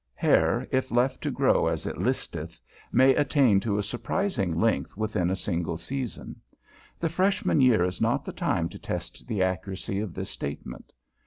Hair, if left to grow as it listeth, may attain to a surprising length within a single season. The Freshman year is not the time to test the accuracy of this statement.